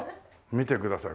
見てください